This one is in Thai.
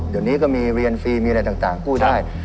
เดี๋ยวนี้ก็มีเรียนฟรีมีอะไรต่างกู้ได้